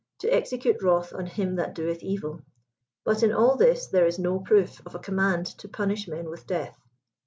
to execute wrath on him that doeth evil. But in all this there is no proof of a command to punish men with death.